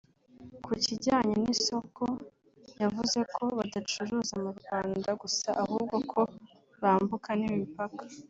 Ku kijyanye n’isoko yavuze ko badacuruza mu Rwanda gusa ahubwo ko bambuka n’imipaka